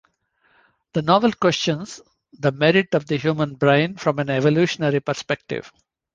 The novel questions the merit of the human brain from an evolutionary perspective.